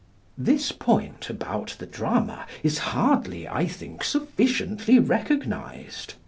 This point about the drama is hardly, I think, sufficiently recognised.